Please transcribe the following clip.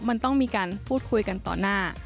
มันต้องมีการพูดคุยกันต่อหน้า